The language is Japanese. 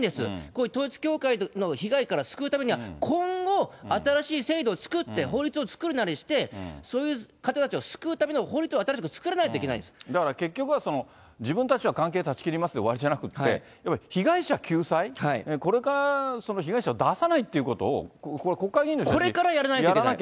こういう統一教会の被害から救うためには、今後、新しい制度を作って、法律を作るなりして、そういう方たちを救うための法律を新しく作らないといけないんでだから結局は、自分たちは関係断ち切りますで終わりじゃなくって、被害者救済、これから被害者を出さないということを、これからやらないといけない。